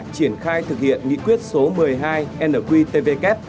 triển khai thực hiện nghị quyết số một mươi hai nqtvk